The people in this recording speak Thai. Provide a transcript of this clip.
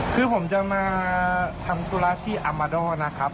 คือผมจะมาทำธุระที่อามาโดนะครับ